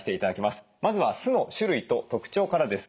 まずは酢の種類と特徴からです。